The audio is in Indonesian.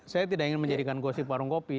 saya tidak ingin menjadikan gosip warung kopi